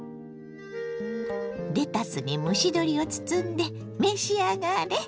レタスに蒸し鶏を包んで召し上がれ。